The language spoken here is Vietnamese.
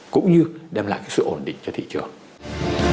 cũng như đem lại sự ổn định cho thị trường